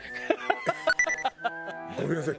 ごめんなさい。